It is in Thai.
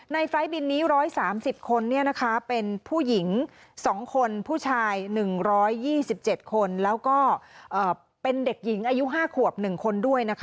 ไฟล์บินนี้๑๓๐คนเป็นผู้หญิง๒คนผู้ชาย๑๒๗คนแล้วก็เป็นเด็กหญิงอายุ๕ขวบ๑คนด้วยนะคะ